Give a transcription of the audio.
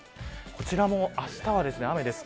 こちらも、あしたは雨です。